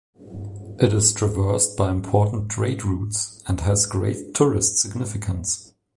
It is traversed by important trade routes and has a great tourist significance.